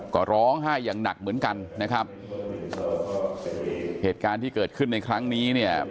ก็ร้องไห้อย่างหนักเหมือนกันนะครับเหตุการณ์ที่เกิดขึ้นในครั้งนี้เนี่ย